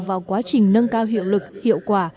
vào quá trình nâng cao hiệu lực hiệu quả